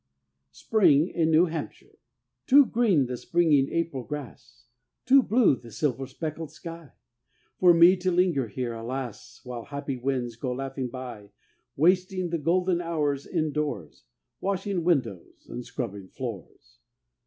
SPRING IN NEW HAMPSHIRE Too green the springing April grass, Too blue the silver speckled sky, For me to linger here, alas, While happy winds go laughing by, Wasting the golden hours indoors, Washing windows and scrubbing floors.